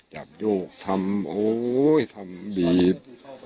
จับโยกทำโอ้ยทำบีบ